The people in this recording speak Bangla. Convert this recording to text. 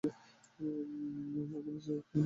আমি নিজে ভেবে কিছু করতে পারি নে।